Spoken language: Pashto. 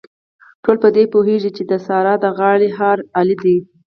ټول په دې پوهېږي، چې د سارې د غاړې هار علي دی.